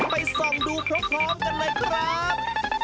ไปส่องดูพร้อมกันเลยครับ